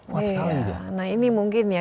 maaf sekali nah ini mungkin ya